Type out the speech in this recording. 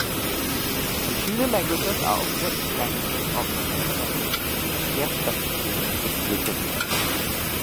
Computer languages are object languages of the metalanguage in which their specification is written.